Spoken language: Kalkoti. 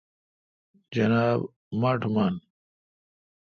جناب-مٹھ من۔